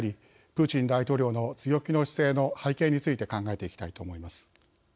プーチン大統領の強気の姿勢の背景について考えていきたいと思います。